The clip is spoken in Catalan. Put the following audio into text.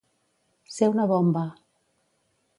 Ser una bomba.